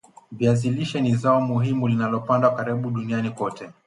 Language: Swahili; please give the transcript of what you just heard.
Viazi lishe ni zao muhimu linalopandwa karibu duniani kote